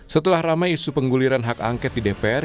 setelah ramai isu pengguliran hak angket di dpr